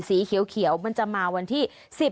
สีเขียวมันจะมาวันที่๑๐